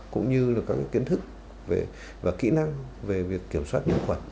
cũng như các kiến thức và kỹ năng về việc kiểm soát nhiễm khuẩn